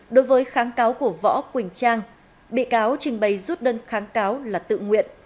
đối với kháng cáo của võ quỳnh trang bị cáo trình bày rút đơn kháng cáo là tự nguyện